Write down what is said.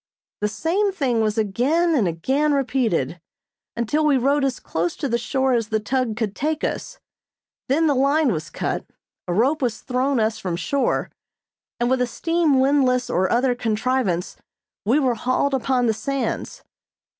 The same thing was again and again repeated, until we rode as close to the shore as the tug could take us, then the line was cut, a rope was thrown us from shore, and with a steam windlass or other contrivance, we were hauled upon the sands.